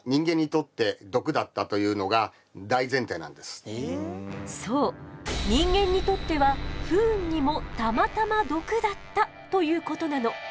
そもそもそう人間にとっては不運にもたまたま毒だったということなの。